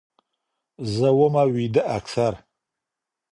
زه ومه ويده اكثر